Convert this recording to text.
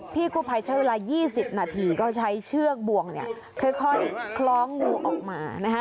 พี่กู้ภัยใช้เวลา๒๐นาทีก็ใช้เชือกบวงเนี่ยค่อยคล้องงูออกมานะคะ